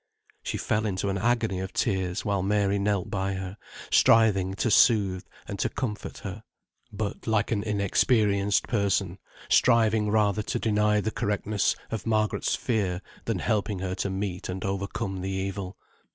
She fell into an agony of tears, while Mary knelt by her, striving to soothe and to comfort her; but, like an inexperienced person, striving rather to deny the correctness of Margaret's fear, than helping her to meet and overcome the evil.